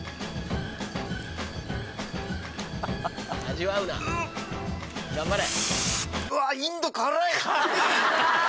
味わうな頑張れ。